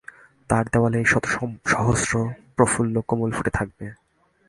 তার দেওয়ালে শত সহস্র প্রফুল্ল কমল ফুটে থাকবে।